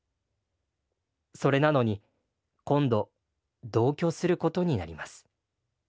それなのに今度同居することになります。